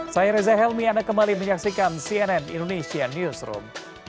saya reza helmi anda kembali menyaksikan cnn indonesia newsroom